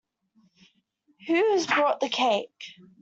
Who's brought the cake?